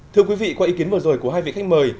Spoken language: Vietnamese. thưa quý vị qua ý kiến vừa rồi của hai vị khách mời